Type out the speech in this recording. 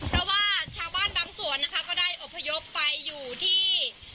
เพราะว่าชาวบ้านบางส่วนนะคะก็ได้อบพยพไปอยู่ที่